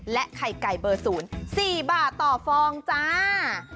และไข่ไก่เบอร์ศูนย์๔บาทต่อฟองจ้า